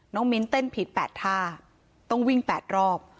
น้องมิ๊นต์เต้นผิด๘ท่าต้องวิ่ง๘รอบ